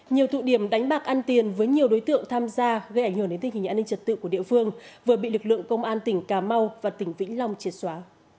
nhiều tụ điểm đánh bạc ăn tiền với nhiều đối tượng tham gia gây ảnh hưởng đến tình hình an ninh trật tự của địa phương vừa bị lực lượng công an tỉnh cà mau và tỉnh vĩnh long triệt xóa